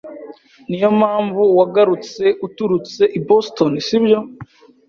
Niyo mpamvu wagarutse uturutse i Boston, sibyo?